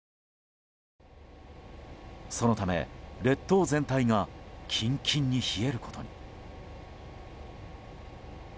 そのため列島全体がキンキンに冷えることに。